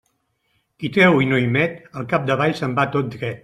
Qui treu i no hi met, al capdavall se'n va tot dret.